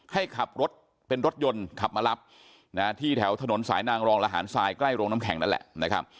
ให้ขับรถเป็นรถยนต์ขับมารับที่แถวถนนสายนางรองระหารทรายใกล้โรงน้ำแข็งนั่นแหละนะครับ